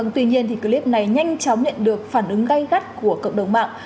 tuy nhiên clip này nhanh chóng nhận được phản ứng gây gắt của cộng đồng mạng